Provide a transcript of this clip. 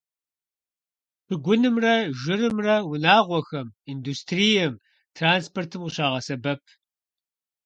Шыгунымрэ жырымрэ унагъуэхэм, индустрием, транспортым къыщагъэсэбэп.